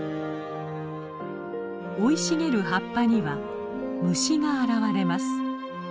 生い茂る葉っぱには虫が現れます。